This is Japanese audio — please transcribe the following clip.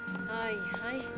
はいはい。